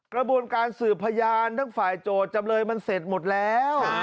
กระบวนการสืบพยานทั้งฝ่ายโจทย์จำเลยมันเสร็จหมดแล้ว